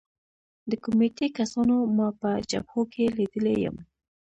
د کمېټې کسانو ما په جبهو کې لیدلی یم